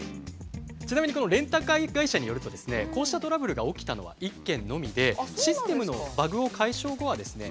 ちなみにこのレンタカー会社によるとですねこうしたトラブルが起きたのは１件のみでシステムのバグを解消後はですね